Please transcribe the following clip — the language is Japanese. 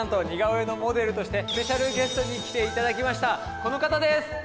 この方です！